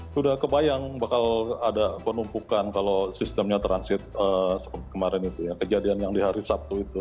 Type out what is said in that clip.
sudah kebayang bakal ada penumpukan kalau sistemnya transit kemarin itu ya kejadian yang di hari sabtu itu